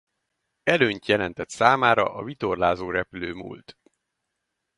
Előnyt jelentett számára a vitorlázórepülő múlt.